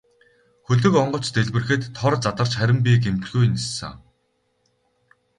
Хөлөг онгоц дэлбэрэхэд тор задарч харин би гэмтэлгүй ниссэн.